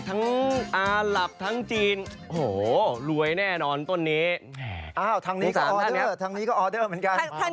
ทั้งอาหรัฐทั้งจีนโหฮลวยแน่นอนต้นนี้ทางนี้ก็ออเดอร์เหมือนกัน